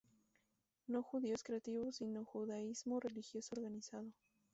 No judíos creativos, sino un judaísmo religioso, organizado...